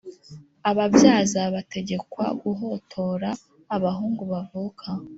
Ababyaza bategekwa guhotora abahungu bavuka